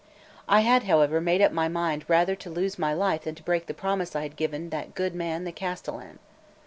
I had, however, made my mind up rather to lose my life than to break the promise I had given that good man the castellan.